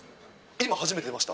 今、初めて出ました。